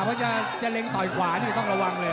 เพราะจะเล็งต่อยขวานี่ต้องระวังเลย